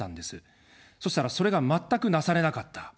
そしたら、それが全くなされなかった。